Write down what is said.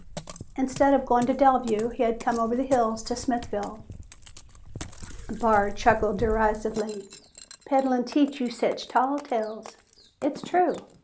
Instead of going to Delview, he had come over the hills to Smithville. Barr chuckled derisively. "Peddlin' teach you sech tall tales?" "It's true."